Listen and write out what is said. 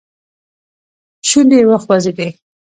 شونډې يې وخوځېدې.